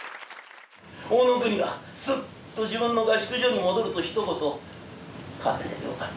大乃国はすっと自分の合宿所に戻るとひと言「かくでよかった」。